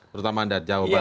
pertama anda jawabannya